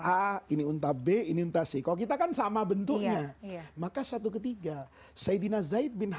a ini unta b ini unta c kalau kita kan sama bentuknya maka satu ketiga saidina zaid bin